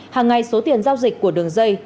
hàng ngày số tiền giao dịch của đường dây